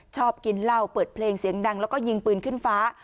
ชอบกินเหล้าเปิดเพลงเสียงดังแล้วก็ยิงปืนขึ้นฟ้า